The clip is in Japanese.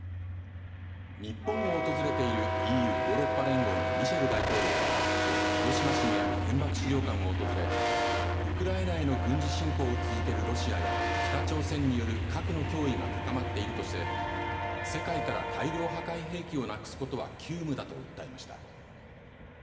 日本を訪れているＥＵ＝ヨーロッパ連合のミシェル大統領がきょう広島市にある原爆資料館を訪れウクライナへの軍事侵攻を続けるロシアや北朝鮮による核の脅威が高まっているとして世界から大量破壊兵器をなくすことは急務だと訴えました。